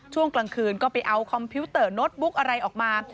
ช่วงกลางคืนก็ไปเอาคอมพิวเตอร์โน้ตบุ๊กอะไรออกมา